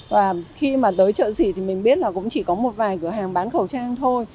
và khi mà tới chợ xỉ thì mình biết là cũng chỉ có một vài cửa hàng bán khẩu trang thôi